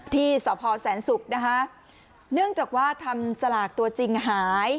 ที่สพแสนศุกร์นะคะเนื่องจากว่าทำสลากตัวจริงหาย